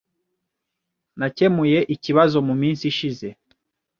Nakemuye ikibazo muminsi ishize .